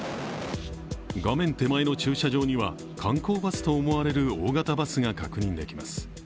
画面手前の駐車場には観光バスと思われる大型バスが確認できます。